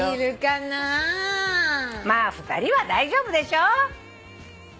まあ２人は大丈夫でしょう。